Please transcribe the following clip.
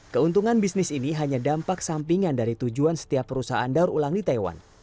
keuntungan bisnis ini hanya dampak sampingan dari tujuan setiap perusahaan daur ulang di taiwan